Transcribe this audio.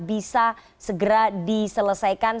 bisa segera diselesaikan